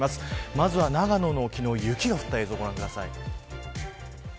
まずは長野、昨日雪が降った様子をご覧ください。